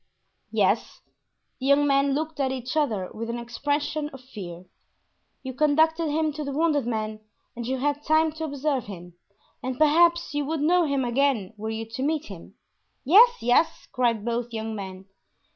"Yes." The young men looked at each other with an expression of fear. "You conducted him to the wounded man and you had time to observe him, and perhaps you would know him again were you to meet him." "Yes, yes!" cried both young men.